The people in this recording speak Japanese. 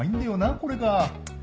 これが。